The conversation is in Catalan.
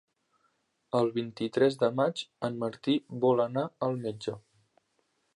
El vint-i-tres de maig en Martí vol anar al metge.